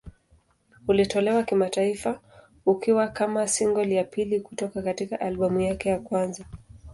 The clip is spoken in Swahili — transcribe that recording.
Ulitolewa kimataifa ukiwa kama single ya pili kutoka katika albamu yake ya kwanza.